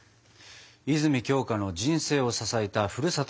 泉鏡花の人生を支えたふるさとの味